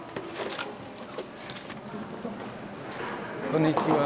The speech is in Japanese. こんにちは。